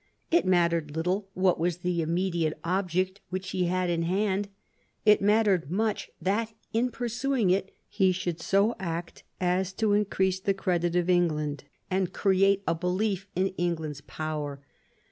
It mattered little what was the immediate object which he had in hand ; it mattered much that in pursuing it he should so act as to increase the credit of England, and create a belief in England's power.